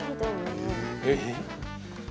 「えっ？」